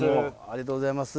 ありがとうございます。